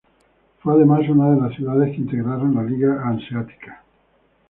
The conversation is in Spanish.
Fue además una de las ciudades que integraron la Liga Hanseática.